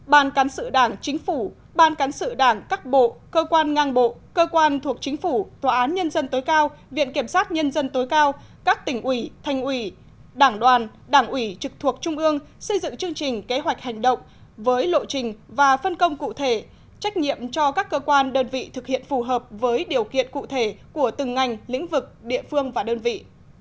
hai ban cán sự đảng chính phủ ban cán sự đảng các bộ cơ quan ngang bộ cơ quan thuộc chính phủ tòa án nhân dân tối cao viện kiểm sát nhân dân tối cao các tỉnh ủy thanh ủy đảng đoàn đảng ủy trực thuộc trung ương xây dựng chương trình kế hoạch hành động với lộ trình và phân công cụ thể trách nhiệm cho các cơ quan đơn vị thực hiện phù hợp với điều kiện cụ thể của từng ngành lĩnh vực địa phương và đơn vị